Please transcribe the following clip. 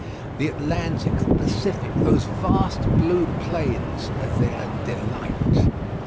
The Atlantic, the Pacific those vast blue plains are their delight.